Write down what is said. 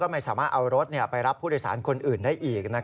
ไม่สามารถเอารถไปรับผู้โดยสารคนอื่นได้อีก